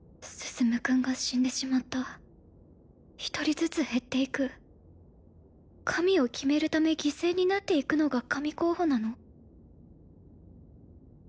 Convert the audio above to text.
向君が死んでしまった１人ずつ減っていく神を決めるため犠牲になっていくのが神候補なの？